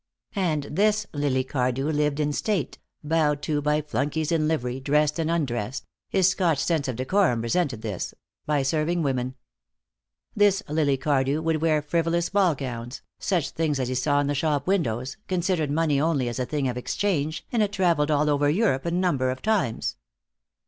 And this Lily Cardew lived in state, bowed to by flunkeys in livery, dressed and undressed his Scotch sense of decorum resented this by serving women. This Lily Cardew would wear frivolous ball gowns, such things as he saw in the shop windows, considered money only as a thing of exchange, and had traveled all over Europe a number of times.